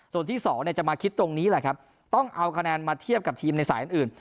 ส่วนที่สองจะมาคิดตรงนี้แหละครับต้องเอาคะแนนมาเทียบกับทีมในสายอื่น